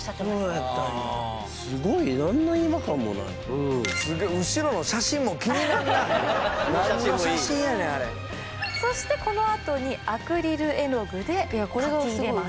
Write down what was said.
そうやったんやすごい何の違和感もない何の写真やねんあれそしてこのあとにアクリル絵の具で描き入れます